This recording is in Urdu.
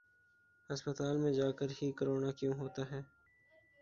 ہسپتال میں جاکر ہی کرونا کیوں ہوتا ہے ۔